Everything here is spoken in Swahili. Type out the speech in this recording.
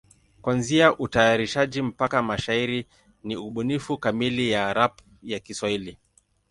Kuanzia utayarishaji mpaka mashairi ni ubunifu kamili ya rap ya Kiswahili.